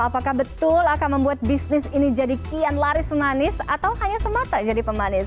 apakah betul akan membuat bisnis ini jadi kian laris manis atau hanya semata jadi pemanis